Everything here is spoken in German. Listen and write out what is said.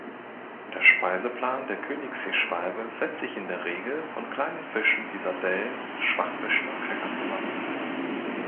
Der Speiseplan der Königsseeschwalbe setzt sich in der Regel von kleinen Fischen wie Sardellen, Schwachfischen und Kräckern zusammen.